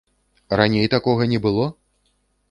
Раней такога не было?